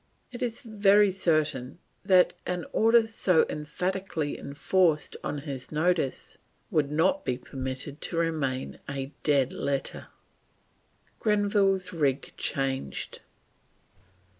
It is very certain that an order so emphatically enforced on his notice would not be permitted to remain a dead letter. GRENVILLE'S RIG CHANGED.